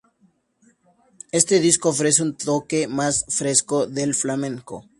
Este disco ofrece un toque más fresco del flamenco.